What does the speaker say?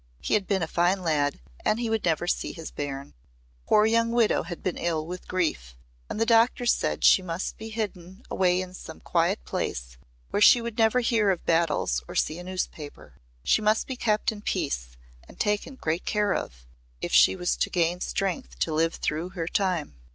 He had been a fine lad and he would never see his bairn. The poor young widow had been ill with grief and the doctors said she must be hidden away in some quiet place where she would never hear of battles or see a newspaper. She must be kept in peace and taken great care of if she was to gain strength to live through her time.